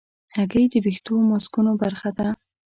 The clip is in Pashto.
هګۍ د ویښتو ماسکونو برخه ده.